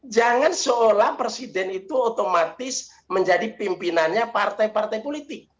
jangan seolah presiden itu otomatis menjadi pimpinannya partai partai politik